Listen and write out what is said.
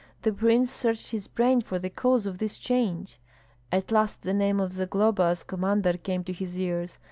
The prince searched his brain for the cause of this change. At last the name of Zagloba, as commander, came to his ears.